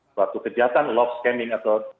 suatu kejahatan love scamming atau